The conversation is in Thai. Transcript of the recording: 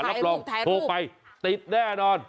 รับรองโทรไปติดแน่นอน